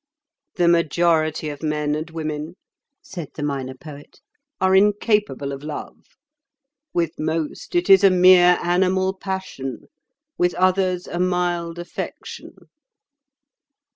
"The majority of men and women," said the Minor Poet, "are incapable of love. With most it is a mere animal passion, with others a mild affection."